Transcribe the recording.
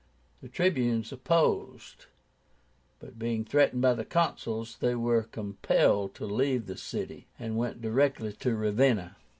The Tribunes opposed; but, being threatened by the Consuls, they were compelled to leave the city, and went directly to Ravenna.